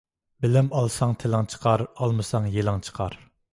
بىلىم ئالساڭ تىلىڭ چىقار، ئالمىساڭ يېلىڭ چىقار.